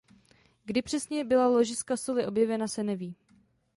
Kdy přesně byla ložiska soli objevena se neví.